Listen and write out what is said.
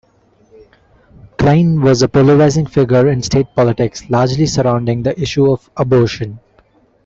Kline was a polarizing figure in state politics, largely surrounding the issue of abortion.